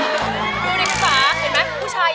ดูดิพี่ฟ้าเห็นไหมผู้ชายหยอก